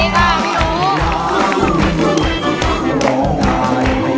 ได้